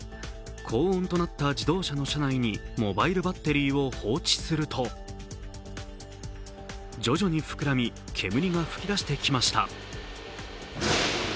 高温となった自動車の車内にモバイルバッテリーを放置すると徐々に膨らみ煙が吹き出してきました。